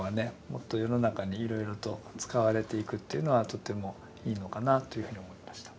もっと世の中にいろいろと使われていくっていうのはとてもいいのかなというふうに思いました。